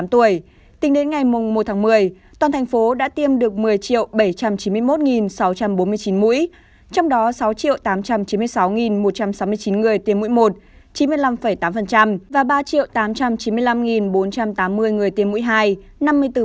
trong mùng một tháng một mươi toàn thành phố đã tiêm được một mươi bảy trăm chín mươi một sáu trăm bốn mươi chín mũi trong đó sáu tám trăm chín mươi sáu một trăm sáu mươi chín người tiêm mũi một chín mươi năm tám và ba tám trăm chín mươi năm bốn trăm tám mươi người tiêm mũi hai năm mươi bốn